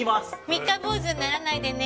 三日坊主にならないでね。